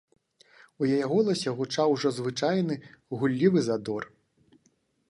У яе голасе гучаў ужо звычайны гуллівы задор.